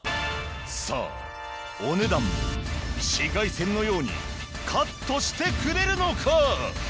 さあお値段も紫外線のようにカットしてくれるのか！？